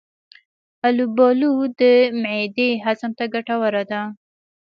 البالو د معدې هضم ته ګټوره ده.